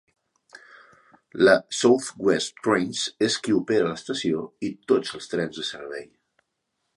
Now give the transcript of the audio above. La South West Trains és qui opera l'estació i tots els trens de servei.